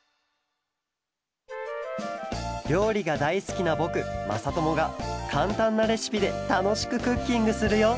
りょうりがだいすきなぼくまさともがかんたんなレシピでたのしくクッキングするよ